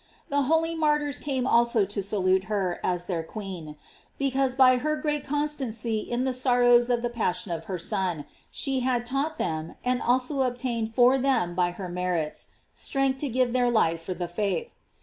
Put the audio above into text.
The holy martyrs came also to salute her as their queen, because by her great constancy in the sorrows of the passion of her Son, she had taught them, and also obtained for them by her merits, strength to give their life for the faith.